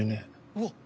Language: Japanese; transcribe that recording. うわっ！